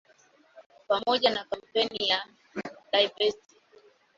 Pamoja na kampeni ya "Divest!